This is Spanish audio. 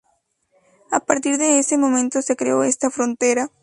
A partir de ese momento se creó esta frontera.